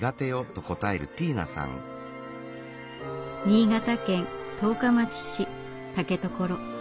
新潟県十日町市竹所。